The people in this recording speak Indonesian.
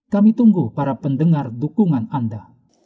kami tunggu para pendengar dukungan anda